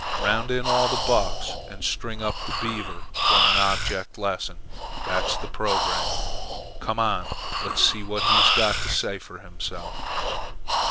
Round in all the bucks and string up the Beaver for an object lesson. That's the programme. Come on and let's see what he's got to say for himself."